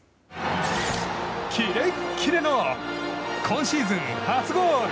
キレキレの今シーズン初ゴール！